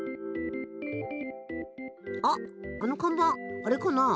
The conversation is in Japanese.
ああの看板あれかな？